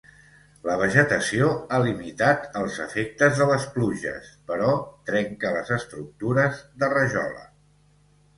La vegetació ha limitat els efectes de les pluges, però trenca les estructures de rajola.